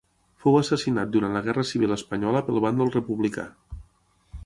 Fou assassinat durant la Guerra civil espanyola pel bàndol republicà.